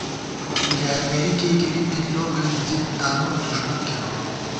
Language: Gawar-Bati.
بۡلیایہ گری کېئی گِرِمېت لوگہ مِنزی تانُوَہ دݭمن کېرون